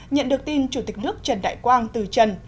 nhận được tin chủ tịch nước trần đại quang từ trần